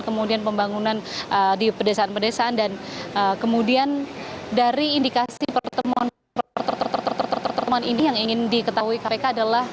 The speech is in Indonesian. kemudian pembangunan di pedesaan pedesaan dan kemudian dari indikasi pertemuan pertemuan ini yang ingin diketahui mereka adalah